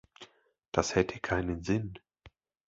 Das hätte keinen Sinn.